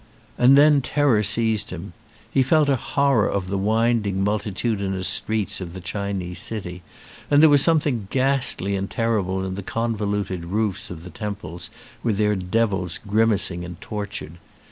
And then terror seized him. He felt a horror of the winding multitudi nous streets of the Chinese city, and there was something ghastly and terrible in the convoluted roofs of the temples with their devils grimacing and tortured.